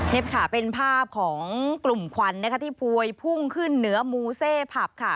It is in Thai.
เน็บขาเป็นภาพของกลุ่มควันนะคะที่พวยพุ่งขึ้นเหนือมูเซพับค่ะ